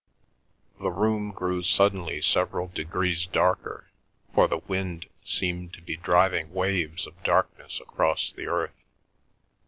The room grew suddenly several degrees darker, for the wind seemed to be driving waves of darkness across the earth.